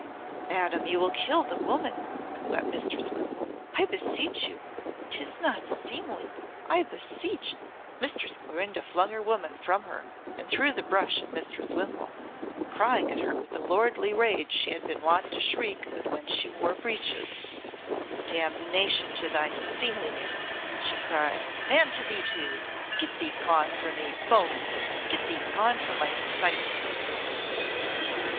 "Madam, you will kill the woman," wept Mistress Wimpole. "I beseech you ! 'Tis not seemly, I beseech " Mistress Clorinda flung her woman from her and threw the brush at Mistress Wimpole, crying at her with the lordly rage she had been wont to shriek with when she wore breeches. "Damnation to thy seemliness!" she cried, "and to thee too! Get thee gone from me, both get thee gone from my sight!"